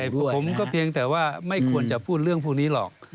ผมก็เพียงแต่ว่าไม่ควรจะพูดเรื่องพวกนี้หรอก